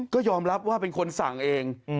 ก็ยอมรับว่าเป็นคนสั่งเอง